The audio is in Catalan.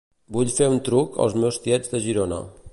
Vull fer un truc als meus tiets de Girona.